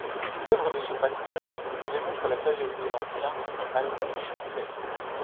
L'œuvre de ce pasteur démontre la sagesse des anciens et du Malgache qu'il est.